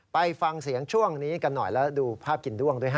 ไปฟังเสียงช่วงนี้กันหน่อยแล้วดูภาพกินด้วงด้วยฮ